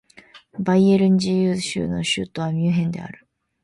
バイエルン自由州の州都はミュンヘンである